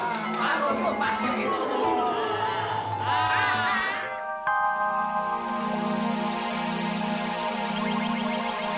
itu baru dong baru aku paksa gitu